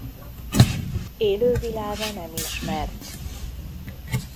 Élővilága nem ismert.